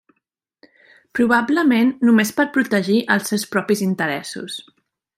Probablement només per a protegir els seus propis interessos.